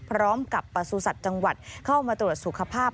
พร้อมกับประสูจน์สัตว์จังหวัดเข้ามาตรวจสุขภาพ